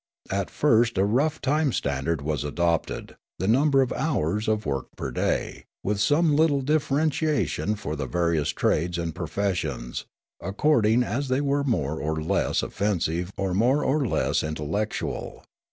Sneekape i6i At first a rough time standard was adopted, the num ber of hours of work per day, with some little dif ferentiation for the various trades and professions, according as they were more or less offensive or more or less intellectual.